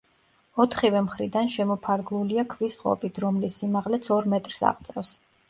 ოთხივე მხრიდან შემოფარგლულია ქვის ღობით, რომლის სიმაღლეც ორ მეტრს აღწევს.